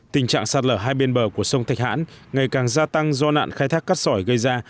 tình trạng sạt lở hai bên bờ của sông thạch hãn ngày càng gia tăng do nạn khai thác cát sỏi gây ra